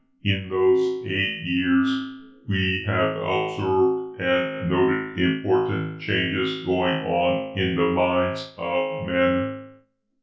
In these eight years, we have observed and noted important changes going on in the minds of men.